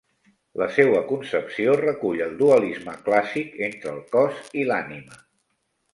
La seua concepció recull el dualisme clàssic entre el cos i l'ànima.